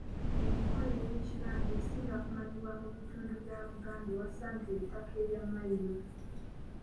Enkola ey'ekibanja esinga kumanyibwa mu bitundu bya Buganda ewasangibwa ettaka erya Mailo.